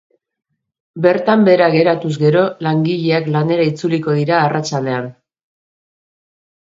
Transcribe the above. Bertan behera geratuz gero, langileak lanera itzuliko dira arratsaldean.